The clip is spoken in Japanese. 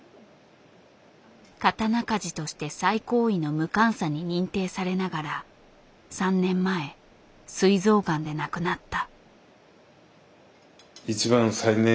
刀鍛冶として最高位の無鑑査に認定されながら３年前すい臓がんで亡くなった。